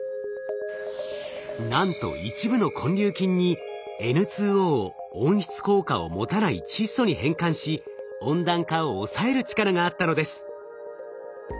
なんと一部の根粒菌にＮＯを温室効果を持たない窒素に変換し温暖化を抑える力があったのです。